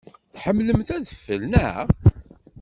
Tḥemmlemt adfel, naɣ?